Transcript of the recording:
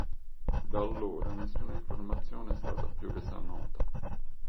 Da allora nessuna informazione è stata più resa nota.